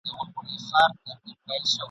دغه زما غيور ولس دی ..